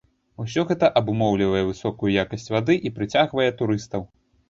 Усё гэта абумоўлівае высокую якасць вады і прыцягвае турыстаў.